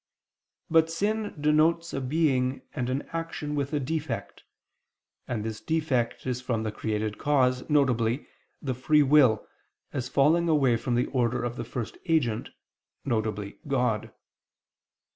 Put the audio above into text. But sin denotes a being and an action with a defect: and this defect is from the created cause, viz. the free will, as falling away from the order of the First Agent, viz. God.